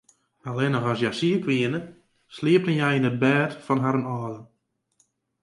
Allinnich as hja siik wiene, sliepten hja yn it bêd fan harren âlden.